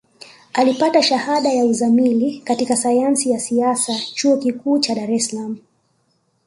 Alipata Shahada ya Uzamili katika Sayansi ya Siasa Chuo Kikuu cha Dar es Salaam